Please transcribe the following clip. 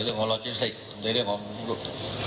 ถุงแรงการต่อสร้างอนาคต